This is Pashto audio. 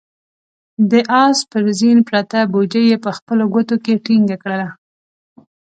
د آس پر زين پرته بوجۍ يې په خپلو ګوتو کې ټينګه کړه.